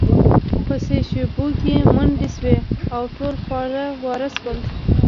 په څو شیبو کې منډې شوې او ټول خواره واره شول